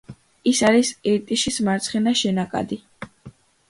ის არის ირტიშის მარცხენა შენაკადი.